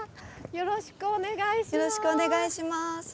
よろしくお願いします。